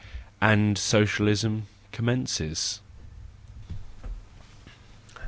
—and socialism commences.